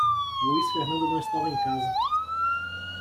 Luiz Fernando não estava em casa.